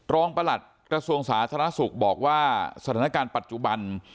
ประหลัดกระทรวงสาธารณสุขบอกว่าสถานการณ์ปัจจุบัน